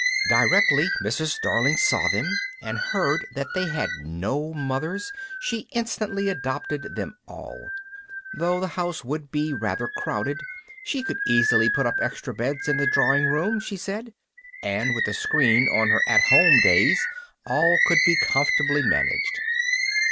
Directly Mrs. Darling saw them, and heard that they had no mothers, she instantly adopted them all. Though the house would be rather crowded, she could easily put up extra beds in the drawing room, she said, and with a screen on her "At Home" days, all could be comfortably managed.